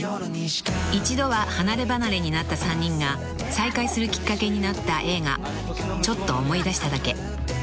［一度は離れ離れになった３人が再会するきっかけになった映画『ちょっと思い出しただけ』］